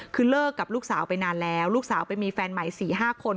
คือเลิกกับลูกสาวไปนานแล้วลูกสาวไปมีแฟนใหม่๔๕คน